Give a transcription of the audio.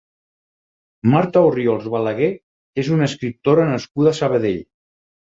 Marta Orriols Balaguer és una escriptora nascuda a Sabadell.